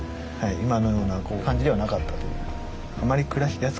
今のような感じではなかったという。